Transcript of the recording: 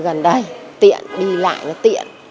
gần đây tiện đi lại là tiện